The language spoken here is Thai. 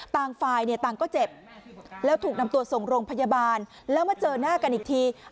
ต่างฝ่ายเนี่ยต่างก็เจ็บแล้วถูกนำตัวส่งโรงพยาบาลแล้วมาเจอหน้ากันอีกที